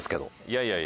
いやいや。